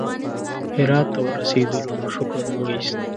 هرات ته ورسېدلو نو شکر مو وایست.